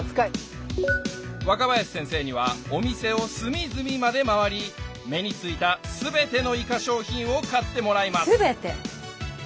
若林先生にはお店を隅々まで回り目についた全てのイカ商品を買ってもらいます